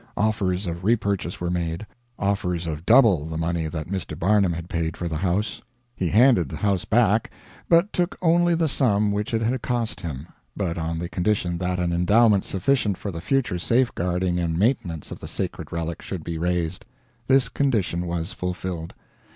Offers of repurchase were made offers of double the money that Mr. Barnum had paid for the house. He handed the house back, but took only the sum which it had cost him but on the condition that an endowment sufficient for the future safeguarding and maintenance of the sacred relic should be raised. This condition was fulfilled.